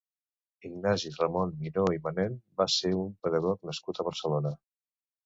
Ignasi Ramon Miró i Manent va ser un pedagog nascut a Barcelona.